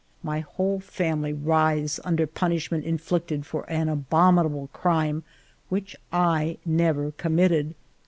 My whole family writhes under punishment inflicted for an abominable crime which I never committed.